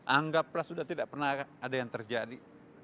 anggaplah sudah tidak pernah ada yang terjadi